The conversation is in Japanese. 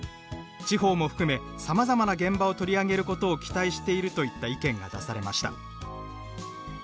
地方も含めさまざまな現場を取り上げることを期待している」といった意見が出されました。